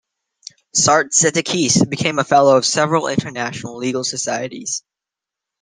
Sartzetakis became a fellow of several international legal societies.